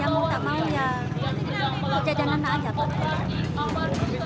yang mau tak mau ya kejadian anak anak aja